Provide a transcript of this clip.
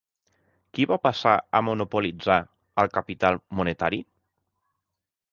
Qui va passar a monopolitzar el capital monetari?